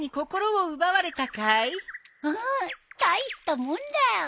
うん大したもんだよ。